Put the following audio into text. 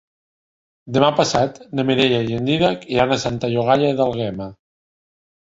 Demà passat na Mireia i en Dídac iran a Santa Llogaia d'Àlguema.